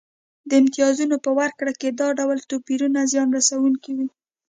د امتیازونو په ورکړه کې دا ډول توپیرونه زیان رسونکي وو